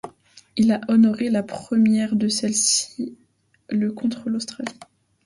Il a honoré la première de celles-ci le contre l'Australie.